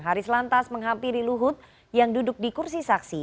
haris lantas menghampiri luhut yang duduk di kursi saksi